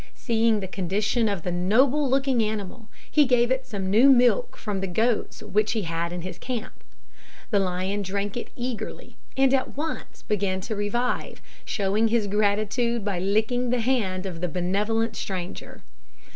Seeing the condition of the noble looking animal, he gave it some new milk from the goats which he had in his camp. The lion drank it eagerly, and at once began to revive, showing his gratitude by licking the hand of the benevolent stranger.